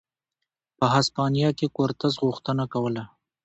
په هسپانیا کې کورتس غوښتنه کوله.